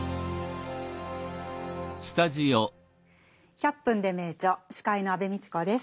「１００分ｄｅ名著」司会の安部みちこです。